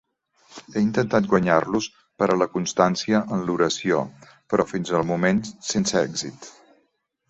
He intentat guanyar-los per a la constància en l'oració, però fins al moment sense èxit.